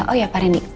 oh ya pak rendy